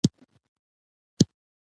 • د ښارونو پرمختګ د برېښنا پورې تړلی دی.